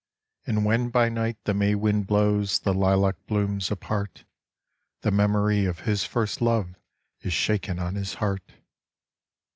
And when by night the May wind blows The lilac blooms apart, The memory of his first love Is shaken on his heart.